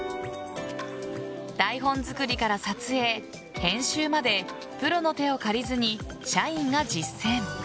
台本作りから撮影、編集までプロの手を借りずに社員が実践。